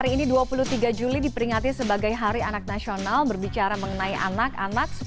hari ini dua puluh tiga juli diperingati sebagai hari anak nasional berbicara mengenai anak anak